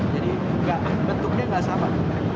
jadi bentuknya nggak sama